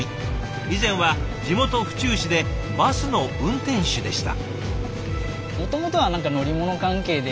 以前は地元府中市でバスの運転手でした。